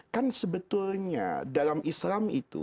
kan sebetulnya dalam islam